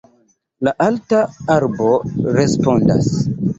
La alta arbo respondas: